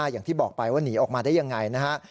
อย่างที่บอกไปว่าหนีออกมาได้ยังไงนะฮะ